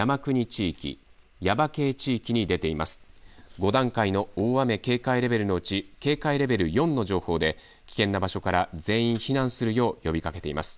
５段階の大雨警戒レベルのうち、警戒レベル４の情報で危険な場所から全員避難するよう呼びかけています。